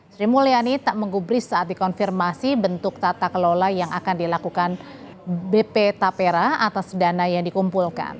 sri mulyani tak menggubris saat dikonfirmasi bentuk tata kelola yang akan dilakukan bp tapera atas dana yang dikumpulkan